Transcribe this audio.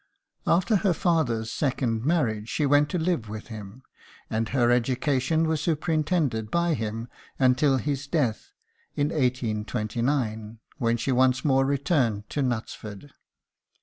After her father's second marriage she went to live with him, and her education was superintended by him until his death in 1829, when she once more returned to Knutsford.